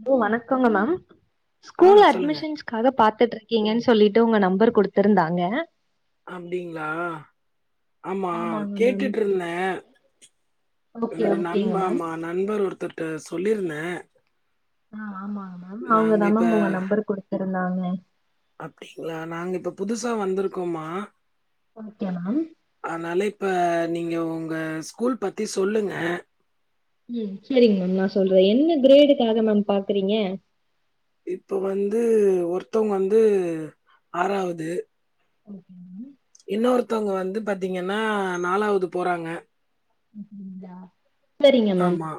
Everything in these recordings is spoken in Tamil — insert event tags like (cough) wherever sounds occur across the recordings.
ஹலோ வணக்கங்க மேம் ஆ ஸ்கூல் சொல்லுங்க. அட்மிஷன்ஸ் கத பாத்துட்டு இருக்கீங்கனு சொல்லிட்டு உங்க நம்பர் குடுத்துருந்தாங்க அப்டிங்களா ஆமா ஆமாங்க மேம் கேட்டுட்டிருந்தே ஓகே என்னோட நண்ப ஓகேங்க மேம் ஆமா நண்பர் ஒருத்தர்ட்ட சொல்லிருந்தே ஆ ஆமாங் மேம் அவுங்கதா இப்ப மேம் உங்க நம்பர் குடுத்துருந்தாங்க அப்டீங்களா நாங்க இப்ப புதுசா வந்துருக்கோமா ஓகே மேம் ஆனால இப்ப நீங்க உங்க ஸ்கூல் பத்தி சொல்லுங்க ம் சேரிங்க மேம் நா சொல்றே என்ன கிரேடுக்காக மேம் பாக்குறீங்க இப்போ வந்து ஒருத்தோவுங்க வந்து ஆறாவது ம் ம் இன்னோருத்தவுங்க வந்து பாத்தீங்கன்னா நாலாவது போறாங்க செரிங்க மேம் ஆமா.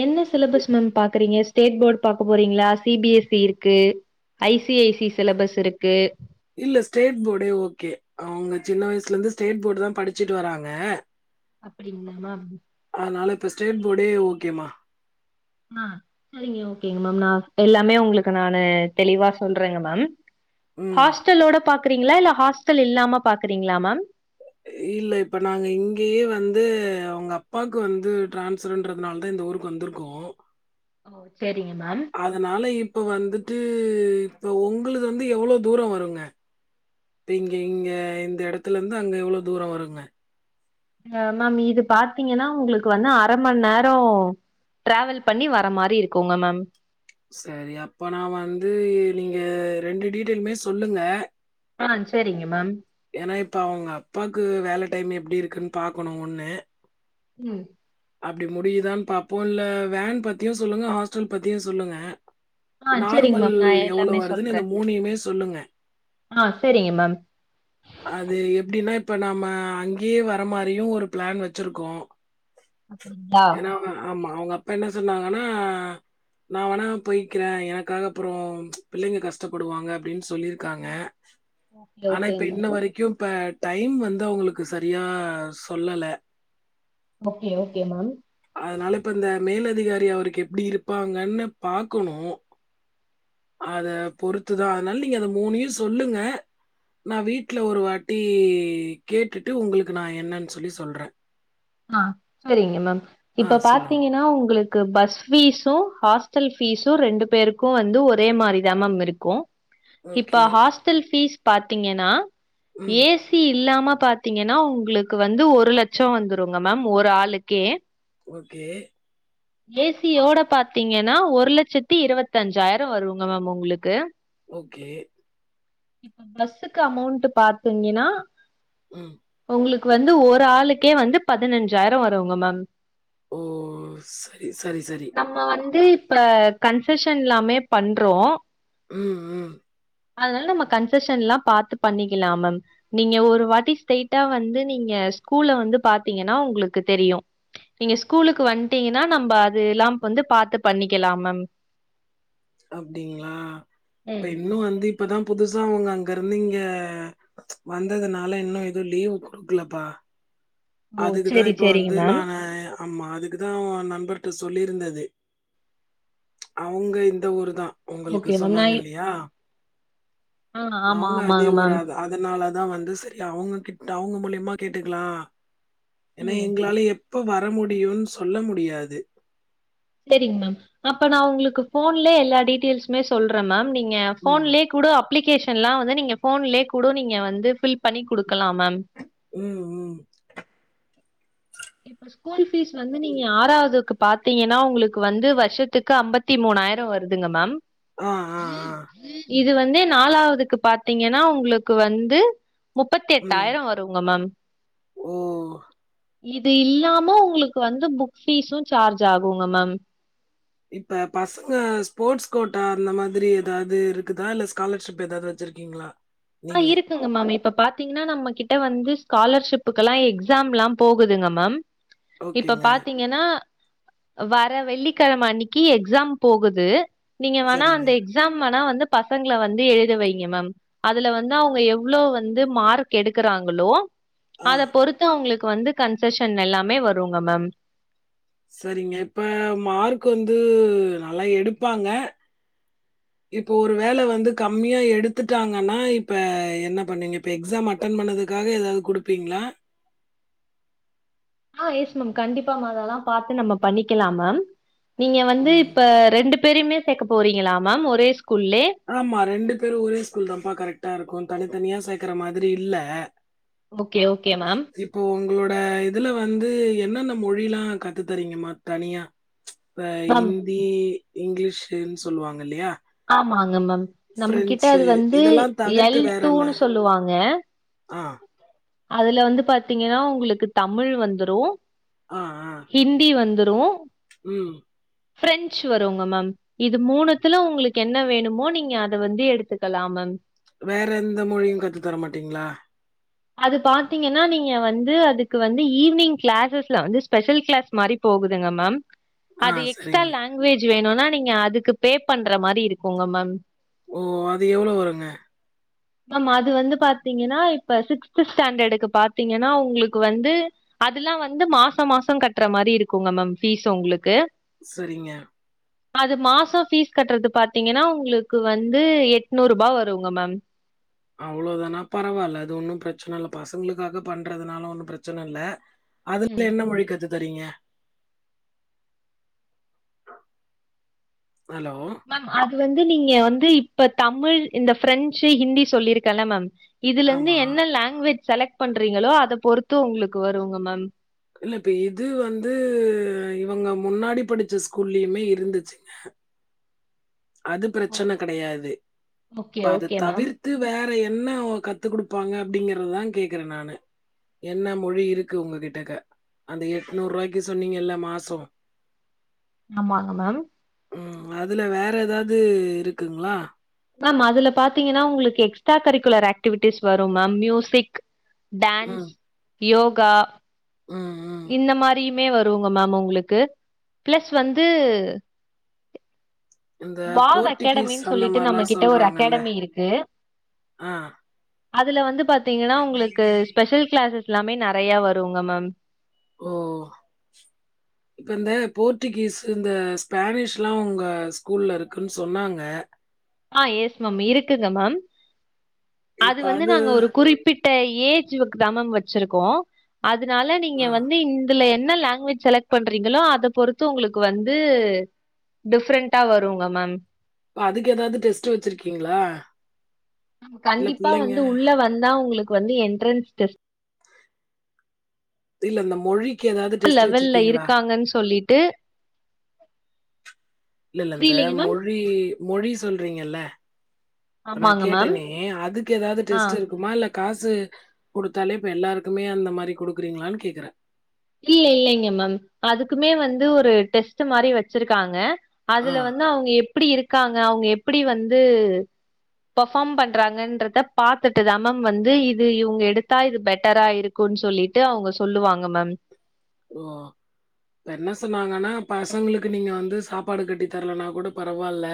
என்ன சிலபஸ் மேம் பாக்குறீங்க ஸ்டேட் போர்டு பாக்கப் போறீங்களா சி பி எஸ் இ இருக்கு I C I C syllabus இருக்கு இல்ல ஸ்டேட் போர்டே ஓகே அவுங்க சின்ன வயசுல இருந்து ஸ்டேட் போர்டு தா படிச்சுட்டு வராங்க அப்பிடிங்களா மேம் அதனாலே இப்போ ஸ்டேட் போர்டே ஓகேம்மா ஆ எல்லாமே உங்ளுக்கு நானு தெளிவா சொல்றேங்க மேம் ம். ஹாஸ்டலோட பாக்குறீங்களா இல்ல ஹாஸ்டல் இல்லாம பாக்குறீங்களா மேம் இல்ல இப்போ நாங்க இங்கேயே வந்து அவுங்க அப்பாவுக்கு வந்து ட்ரான்ஸ்ஃபர் இன்றதுனாலதா இந்த ஊருக்கு வந்துருக் சேரிங்க மேம் அதனால இப்போ வந்துட்டு இப்போ உங்ளுது வந்து எவ்ளோ தூரோ வருங்க இப்ப இங்க இங்க இந்த எடத்துல இருந்து அங்க எவ்ளோ தூர வருங்க அ மேம் இது பாத்தீங்கனா உங்ளுக்கு வந்து அர மண்நேரோ ட்ராவல் பண்ணி வர மாரி இருக்குங்க மேம் சரி அப்பனா வந்து நீங்க ரெண்டு டீட்டெயலுமே சொல்லுங்க ஆ செரிங்க மேம் ஏனா இப்ப அவுங்க அப்பாக்கு வேல டைம் எப்டி இருக்குனு பாக்கணு ஒண்ணு ம் அப்டி முடியுதானு பாப்போ இல்ல வேன் பத்தியு சொல்லுங்க ஹாஸ்டல் பத்தியு சொல்லுங்க ஆ செரிங்க நார்மல் மேம் நா எவ்ளோ எல்லாமே வருதுன்னு சொல்றே இந்த மூணையுமே சொல்லுங்க ஆ செரிங்க மேம் அது எப்டீன்னா இப்ப நாம அங்கேயே வர மாரியு ஒரு பிளான் வெச்சிருக்கோ அப்டிங்களா ஏனா அவங்க ஆமா அவங்க அப்பா என்ன சொன்னாங்கனா நா வேணா போய்க்கிறே எனக்காக அப்றோ பிள்ளைங்க கஷ்டப்படுவாங்க அப்டின்னு சொல்லிருக்காங்க ஓகேங்க (unintelligible) அதுக்கியு இப்ப டைம் வந்து அவுங்குளுக்கு சரியா சொல்லலே ஓகே ஓகே மேம் அதனால இப்ப இந்த மேலதிகாரி அவருக்கு எப்டி இருப்பாங்கன்னு பாக்கணோ அதப் பொறுத்துதா அதனால நீங்க அந்த மூணயு சொல்லுங்க நா வீட்ல ஒரு வாட்டி கேட்டுட்டு உங்குளுக்கு நா என்னன்னு சொல்லி சொல்றே ஆ செரிங்க மேம் ஆ இப்ப சொல்லுங்க. பாத்தீங்கன்னா உங்குளுக் க்கு பஸ் ஃபீஸு ஹாஸ்டல் ஃபீஸோ ரெண்டு பேருக்கோ வந்து ஒரே மாரிதா மேம் இருக்கோ இப்ப ஓகே. ஹாஸ்டல் ஃபீஸ் பாத்தீங்கனா ம். ஏ ஸ் இல்லாம பாத்தீங்கனா உங்களுக்கு வந்து ஒரு லட்சம் வந்துருங்க மேம் ஒரு ஆளுக்கே ஓகே ஏசியோட பாத்தீங்கனா ஒரு லட்சத்தி இருபத்தி அஞ்சாயிரோ வருங்க மேம் உங்களுக்கு ஓகே பஸ்ஸுக்கு அமௌண்ட் பாத்தீங்கனா ம் உங்ளுக்கு வந்து ஒரு ஆளுக்கே வந்து பதினஞ்சாயிரம் வரும்ங்க மேம் ஓ சரி சரி சரி நம்ம வந்து இப்ப கன்செஷன்ல்லாமே பண்றோ ம் ம் அதனால நம்ம கன்செஷன்ல்லா பாத்து பண்ணிக்கலா மேம் நீங்க ஒரு வாட்டி ஸ்ட்ரயிட்டா வந்து நீங்க ஸ்கூல்ல வந்து பாத்தீங்கன்னா உங்களுக்கு தெரியு நீங்க ஸ்கூலுக்கு வந்துட்டீங்கனா நம்ப அது எல்லாம் வந்து பாத்து பண்ணிக்கலாம் மேம் அப்டிங்களா இப்ப ம் இன்னு வந்து இப்பதா புதுசா ஒன்னு அங்கருந்து இங்க வந்ததுனால இன்னு எதுவு லீவு குடுக்கலபா ஓ அதுக்குதா சேரி இப்ப சேரிங்க வந்து மேம் நானு ஆமா அதுக்குதா ஓ நண்பர்ட்ட சொல்லிருந்தது அவுங்க இந்த ஊரு தா உங்களுக்கு ஓகே மேம் நா சொன்னாங்க இல்லயா ஆ ஆமா அவுங்க அதே ஆமாங்க ஊரு மேம் ஆத அதனால தா வந்து சரி அவங்க கிட்ட அவங்க மூலியமா கேட்டுக்கலா ஏனா ம் எங்களால எப்ப வர முடியுனு சொல்ல முடியாது சரிங்க மேம் அப்ப நா உங்களுக்கு ஃபோன்லே எல்லா டீட்டெய்ல்ஸுமே சொல்றே மேம் நீங்க ம். ஃபோன்லயே கூட அப்பிலிகேஷன் லா வந்து நீங்க ஃபோன்லெ கூட நீங்க வந்து பில் பண்ணி குடுக்கலா மேம் ம் உம் இப்ப ஸ்கூல் ஃபீஸ் வந்து நீங்க ஆறாவதுக்கு பாத்தீங்கனா உங்களுக்கு வந்து வருஷத்துக்கு அம்பத்தி மூணாயிரோ வருதுங்க மேம் ஆ அ இது வந்து நாலாவதுக்கு பாத்தீங்கனா உங்களுக்கு வந்து முப்பத்தெட்டாயிரம் வருங்க மேம் ஓஹ் இது இல்லாம உங்களுக்கு வந்து புக் பீஸும் சார்ஜ் ஆகுங்க மேம் இப்ப பசங்க ஸ்போர்ட்ஸ் கோட்டா அந்த மாதிரி எதாவது இருக்குதா இல்ல ஸ்காலர்ஷிப் எதாவது வச்சிருக்கீங் ங்களா ஆ இருக் மேம் இப்ப பாத்தீங்னா நம்ம கிட்ட வந்து ஸ்காலர்ஷிப்புக்கு எல்லா எக்ஸாம்லா போகுதுங்க மேம் இப்ப ஓகேங்க. பாத்தீ ஏனா வர வெள்ளிக்கிழம அன்னிக்கி எக்ஸாம் போகுது நீங்க வேணா சரிங்க. அந்த எக்ஸாம் வேணா வந்து பசங்கள வந்து எழுத வைங்க மேம் அதுல வந்து அவங்க எவ்ளோ வந்து மார்க் எடுக்கிறாங்களோ ஆ. அத பொறுத் அவங்களுக்கு வந்து கன்செஷன் எல்லாமே வருங்க மேம் சரிங்க இப்ப மார்க் வந்து நல்லா எடுப்பாங்க இப்போ ஒரு வேல வந்து கம்மியா எடுத்துட்டாங்கனா இப்ப என்ன பண்ணீங்க இப்ப எக்ஸாம் மாட் ரன் பண்ணதுக்காக ஏதாவது குடுப்பீங்ளா ஆஹ் எஸ் மேம் கண்டிப்பா மேம் அதெல்லா பாத்து நம்ம பண்ணிக்கலா மேம் நீங்க வந்து ம். இப்ப ரெண்டு பேரயுமே சேக்க போறீங்களா மேம் ஒரே ஸ்கூல்லே ஆமா ரெண்டு பேரு ஒரே ஸ்கூல் தாம்பா கரெக்ட்டா இருக்கு தனித்தனியா சேர்க்குற மாதிரி இல்ல ஓகே ஓகே மேம் இப்போ உங்களோட இதில வந்து என்னென்ன மொழிலா கத்து தறீங்கம்மா தனியா இப்ப மேம் இந்தி இங்கிலீஷுன்னு சொல்லுவாங்க இல்லையா ஆமாங்க மம் நம்ம கிட்ட பிரெஞ்சு அது வந்து இதெல்லா தவிர்த்து எல் வேற என்ன டூனு சொல்லுவாங்க ஆ அதுல வந்து பாத்தீங்கன்னா உங்குளுக்கு தமிழ் வந்துரோ ஆ ஆ ஹிந்தி வந்துரு ம் பிரெஞ்ச் வரும்வுங்க மம் இது மூணுத்துல உங்குளுக்கு என்ன வேணுமோ நீங்க அத வந்து எடுத்துக்கலா மேம் வேற எந்த மொழியு கத்து தர மாட்டீங்ளா அது பாத்தீங்கன்னா நீங்க வந்து அதுக்கு வந்து ஈவினிங் கிளாஸஸ்ல வந்து ஸ்பெஷல் கிளாஸ் மாரி போகுதுங்க மம் ஆ அது எக்ஸ்ட்ரா சரிங்க லாங்குவேஜ் வேணோனா நீங்க அதுக்கு பே பண்ற மாரி இருக்கோங்க மேம் ஓ அது எவ்வளோ வருங்க மம் அது வந்து பாத்தீங்கன்னா இப் இப்ப சிக்ஸ்த்து ஸ்டண்டடுக்கு பாத்தீங்கன்னா உங்களுக்கு வந்து அதுல்லா வந்து மாசோ மாசோ கட்டுற மாரி இருக்குங்க மம் பீஸ் உங்களுக்கு செரிங்க அது மாசோ ஃபீஸ் கட்டுறது பாத்தீங்கன்னா உங்குளுக்கு வந்து எட்நூறுபா வருங்க மேம் அவ்வளோதானா பரவால்ல அது ஒன்னு ப்ரச்சன இல்ல பசங்களுக்காக பண்றதுனால ஒன்னு ப்ரச்சன இல்ல அதுல ம் என்ன மொழி கத்து தரீங்க ஹலோ மேம் அது வந்து நீங்க வந்து இப்ப தமிழ் இந்த ஃபிரெஞ்சு ஹிந்தி சொல்லியிருக்கல்ல மேம் இதுலந்து ஆமா என்ன லங்குவேஜ் செலெக்ட் பண்றீங்களோ அத பொறுத்து உங்களுக்கு வருங்க மம் இல்ல இப்ப இது வந்து இவங்க முன்னாடி படிச்ச ஸ்கூல்லயுமே இருந்துச்சுங்க அது ஓ- பிரச்சன கெடையாது ஓகே இப்ப அத ஓகே மேம் தவிர்த் த்து வேற என்ன கத்து குடுப்பாங்க அப்படிங்கறதா கேக்குறே நானு என்ன மொழி இருக்கு உங்க கிட்டக்க அந்த எட்நூரூவாய்க்கு சொன்னீங்கல்ல மாசோ ஆமாங்க மேம் ம் அதுல வேற ஏதாது இருக்குங்ளா மம் அதுல பாத்தீங்கன்னா உங்களுக்கு எக்ஸ்ட்ரா கரிக்குலர் அக்டிவிட்டிஸ் வரும் மம் மியூசிக் டன்ஸ் ம். யோகா ம் ம். இந்த மாரியுமே வருவுங்க மம் உங்களுக்கு ப்ளஸ் வந்து இந்த வாவ் போர்ட்டுகீஸ் அகாடமின்னு அந்த சொல்லிட்டு நம்ம மாரிலாம் கிட்ட ஒரு சொல்றாங்கல்ல. அகடமி இருக்கு ஆ. அதுல வந்து பாத்தீங்கன்னா உங்களுக்கு ஸ்பெஷல் கிளாஸஸ் எல்லாமே நறைய வருங்க மம் ஓ இப்ப இந்த போர்டுகீஸு இந்த ஸ்பனிஷ்லா உங்க ஸ்கூல்ல இருக்குன் சொன்னாங்க ஆ எஸ் மம் இருக்குங்க மம் அது வந்து நாங்க ஒரு குறிப்பிட் ட ஏஜ்வுக்குதா மேம் வெச்சிருக்கோ அதுனால நீங்க ஆ. வந்து இந்துல என்ன லங்குவேஜ் செலெக்ட் பண்றீங்களோ அத பொறுத்து உங்குளுக்கு வந்து டிஃப்ரெண்டா வருங்க மேம் அதுக்கு ஏதாது டெஸ்ட்டு வச்சிருக்கீங்ளா கண்டிப்பா வந்து உள்ள வந்தா உங்குளுக்கு வந்து என்ட்ரன்ஸ் டெஸ்ட் இல்ல இந்த மொழி கு லெவல்ல இருக்காங்கன் சொல்லிட்டு இல்லல்ல இந்த புரியலீங்க மேம் மொழி மொழி சொல்றீங்கல்ல இப்ப நா ஆமாங்க மேம் கேட்டனே அதுக்கு எதாவது ஆ டெஸ்ட் இருக்குமா இல்ல காசு குடுத்தாலே இப்ப எல்லாருக்குமே அந்த மாரி குடுக்குறீங்ளான்னு கேக்குற இல்ல இல்லைங்க மேம் அதுக்குமே வந்து ஒரு டெஸ்ட் மாரி வச்ருக்காங்க ஆ அதுல வந்து அவங்க எப்டி இருக்காங்க அவங்க எப்டி வந்து பர்ஃபார்ம் பண்றாங்கன்றத பாத்துட்டு தா மேம் வந்து இது இவங்க எடுத்தா இது பெட்டரா இருக் குன்னு சொல்லிட்டு அவுங்க சொல்லுவாங்க மேம் ஓ அப்ப என்ன சொன்னாங்கன்னா பசங்களுக்கு நீங்க வந்து சாப்பாடு கட்டி தரலன்னா கூட பரவால்ல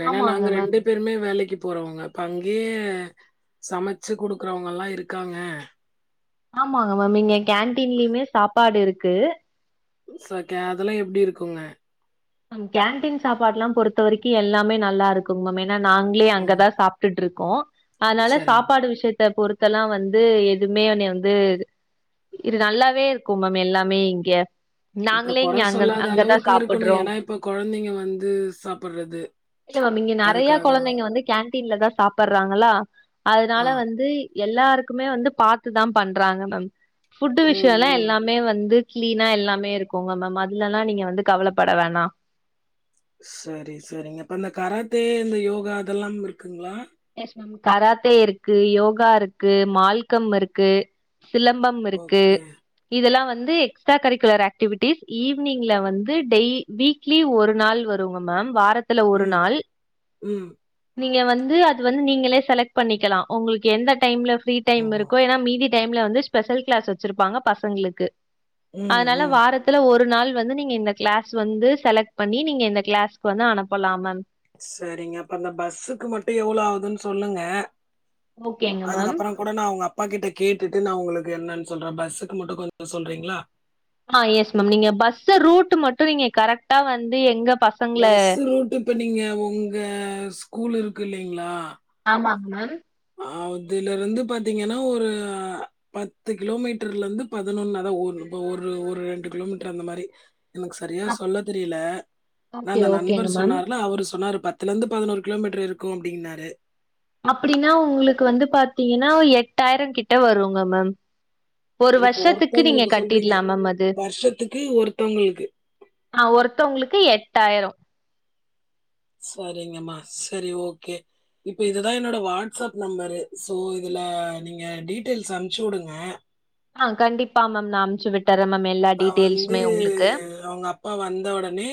வேண்ணா ஆமாங்க நாங்க மேம் ரெண்டு பேருமே வேலைக்கு போறவங்க அங்யே சமைச்சு கொடுக்குறவங்கல்லா இருக்காங்க ஆமாங்க மேம் இங்க கேன்டீன்லயுமே சாப்பாடு இருக்கு (unintelligible) அதெல்லா எப்டி இருக்குங்க கேண்டடீன் சாப்பாடுலா பொறுத்த வரைக்கு எல்லாமே நல்லா இருக்குங் மேம் ஏன்னா நாங்களே ம் அங்கதா சாப் டுட்ருக்கோ அதனால சரிங்க சாப்பாடு விஷயத்த பொறுத்தலா வந்து எதுமே என்னைய வந்து இது நல்லாவே இருக்கு மேம் எல்லாமே இங்க இப்ப நாங்களே குறை இங்க அங்க சொல்லாத அங்கதா அளவுக்கு சாப்புட்றோ இருக்கணும் ஏன்னா இப்ப கொழந்தைங்க வந்து சாப்பட்றது இல்ல மேம் இங்க நெறையா கெழந்தைங்க வந்து கேன்டீன்லதா சாப்பட்றாங்களா ஆ அதுனால வந்து எல்லாருக்குமே வந்து பாத்துதா பண்றாங்க மேம் ஃபுட்டு் ம் விஷயல்லா ம். எல்லாமே வந்து க்ளீனா எல்லாமே இருக்குங்க மேம் அதுலல்லா நீங்க வந்து கவலைப்பட வேணா சரி சரிங்கப் பா இந்த கராத்தே இந்த யோகா அதெல்லாம் இருக்குங்ளா எஸ் மேம் கராத்தே இருக்கு யோகா இருக்கு மால்கம் இருக்கு சிலம்பம் ம் இருக்கு ஓகே. இதெலா வந்து எக்ஸ்ட்ரா கரிக்குலர் ஆக்டிவிட்டிஸ் ஈவ்னிங்ல வந்து டெய் வீக் லி ஒரு நாள் வருங்க மேம் வாரத்துல ஒரு ம், நாள் ம். நீங்க வந்து அத் வந்து நீங்களே செலக்ட் பண்ணிக்கலா உங்கள்க்கு எந்த டைம்ல ஃபிரீ ஓ! டைம் இருக்கோ ஏன்னா மீதி டைம்ல வந்து ஸ்பெஷல் க்ளாஸ் வச்சிருப்பாங்க பசங்ளுக்கு ம், அதனால ம். வாரத் துல ஒரு நாள் வந்து நீங்க இந்த க்ளாஸ் வந்து செலக்ட் பண்ணி நீங்க இந்த க்ளாஸ்கு வந்து அனுப்பலா மேம் சேரிங்க அப்ப அந்த பஸ்சுக்கு மட்டு எவ்ளோ ஆவுதுன்னு சொல்லுங்க ஓகேங்க மேம் அதுக்கப்றோ கூட நா அவுங்க அப்பா கிட்ட கேட்டுட்டு நா உங்களுக்கு என்னன்னு சொல்ற பஸ்சுக்கு மட்டு கொஞ்சோ சொல்றீங்களா ஆ எஸ் மேம் நீங்க பஸ்சு ரூட் மட்டு நீங்க கரெக்டா வந்து எங்க பஸ் பஸ்ஸு ரூட்டு இப்ப நீங்க உங்க ஸ்கூல் இருக்கு இல்லைங்ளா ஆமா மேம் அதுலருந்து பாத்தீங்கனா ஒரு பத்து கிலோமீட்ருலருந்து பதினொன்னு அதா ஒரு ஒரு ரெண்டு கிலோமீட்ரு அந்த மாரி எனக்கு சரியா அப் சொல்ல தெரில நா ஓகே இந்த நண்பர் ஓகேங்க மேம் சொன்னார்னு அவரு சொன்னாரு பத்துலருந்து பதினோரு கிலோமீட்ரு இருக்கு அப்டின்னாரு அப்டின்னா உங்ளுக்கு வந்து பாத்தீங்கன்னா எட்டாயிர கிட்ட வருங்க மேம் ஒரு இப்போ வருஷத்துக்கு நீங்க ஒருத்தவங்களுக்கு சொல்றீங்க கட்டிட்லா மேம் அது வருஷத்துக்கு ஒருத்தவங்களுக்கு ஆ ஒருத்தவங்ளுக்கு எட்டாயிரோ சரிங்கம்மா சரி ஓகே இப்ப இதுதா என்னோட வாட்சப் நம்பரு சோ இதுல நீங்க டீடெய்ல்ஸ் அமுச்சு வுடுங்க ஆ கண்டிப்பா மேம் நா அமுச்சு விட் டறே மேம் எல்லா நா வந்து டீட்டெயில்ஸுமே உங்களுக்கு. அவுங்க அப்பா வந்த ஒடனே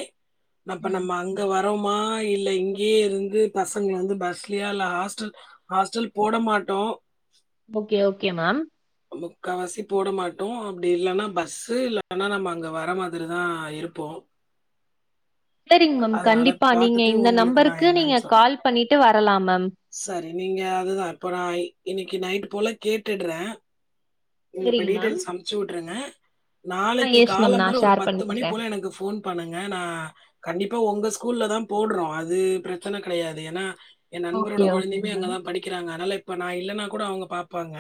அப்ப ம். நம்ம அங் வரோமா இல்ல இங்கயே இருந்து பசங்க வந்து பஸ்லயா இல்ல ஹாஸ்டல் ஹாஸ்டல் போட மாட்டோ ஓகே ஓகே மேம் முக்காவாசி போட மாட்டோ அப்டி இல்லனா பஸ்ஸு இல்லனா நம்ம அங்க வர மாரி தா இருப்போ சேரிங்க மேம் அதனால கண்டிப்பா நீங்க பாத்துட்டு இந்த உங்களுக்கு நா நம்பருக்கு நீங்க கால் பண்ணிட்டு வரலா மேம் சேரி நீங்க அதுதா இப்போ நா இன்னிக்கி நைட் போல கேட்டுற நீங்க இப்ப சரிங்க மேம். டீடெஸ் அமிச்சி உட்றுங்க ஆ நாளைக்கு எஸ் மேம். காலம்பர நான் ஒரு ஷேர் பத்து மணி பண்ணிடுறேன். போல எனக்கு போன் பண்ணுங்க நா கண்டிப்பா ஒங்க ஸ்கூல்ல தா போடுறோ அது பிரச்சன கடயாது ஏனா என் நண்பரோட ஓகே, ஓகேங்க குழந்தையுமே அங்க மேம். தா படிக்கிறாங்க அதனால இப்போ நா இல்லனா கூட அவங்க பாப்பாங்க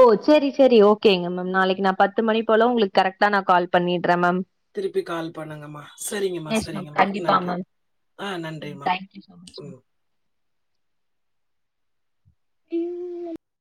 ஓ செரி செரி ஓகேங்க மேம் நாளைக்கு நா பத்து மணி போல உங்களுக்கு கரெக்டா நா கால் பண்ணிறே மேம் திருப்பி கால் பண்ணுங்கம்மா செரிங்கம்மா எஸ் மேம். செரிங்கம்மா கண்டிப்பா நன்றி மேம். ஆ ம். நன்றிமா thank you so much ma'am. ம்